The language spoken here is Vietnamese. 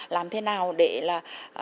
làm thế nào để là